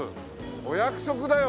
お約束だよ